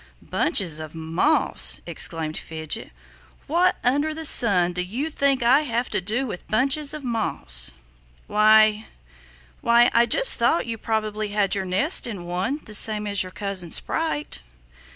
"Bunches of moss!" exclaimed Fidget. "What under the sun do you think I have to do with bunches of moss?" "Why why I just thought you probably had your nest in one, the same as your cousin Sprite."